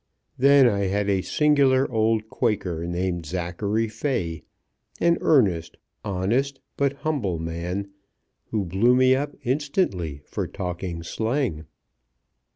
Then I had a singular old Quaker, named Zachary Fay, an earnest, honest, but humble man, who blew me up instantly for talking slang."